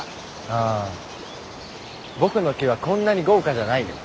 あ僕の木はこんなに豪華じゃないよ。